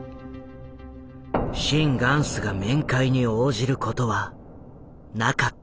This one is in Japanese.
シン・グァンスが面会に応じることはなかった。